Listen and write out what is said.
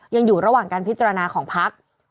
ยังอยู่ระหว่างการพิจารณาของพัก